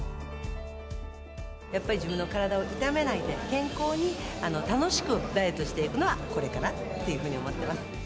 やっぱり自分の体を傷めないで、健康に、楽しくダイエットしていくのは、これかなっていうふうに思ってます。